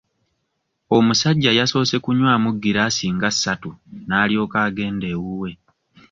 Omusajja yasoose kunywaamu giraasi nga ssatu n'alyoka agenda ewuwe.